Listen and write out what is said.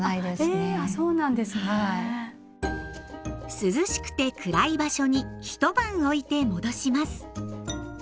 涼しくて暗い場所にひと晩おいて戻します。